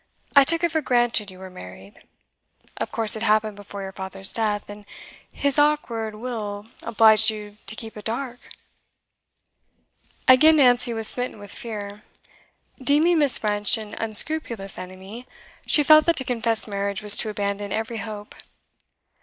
I took it for granted you were married. Of course it happened before your father's death, and his awkward will obliged you to keep it dark?' Again Nancy was smitten with fear. Deeming Miss. French an unscrupulous enemy, she felt that to confess marriage was to abandon every hope.